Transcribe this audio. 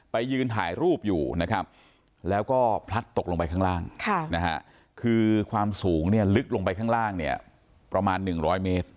ยืนถ่ายรูปอยู่นะครับแล้วก็พลัดตกลงไปข้างล่างคือความสูงเนี่ยลึกลงไปข้างล่างเนี่ยประมาณ๑๐๐เมตร